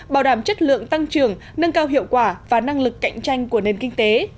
bảo đảm chất lượng tăng trưởng nâng cao hiệu quả và năng lực cạnh tranh của nền kinh tế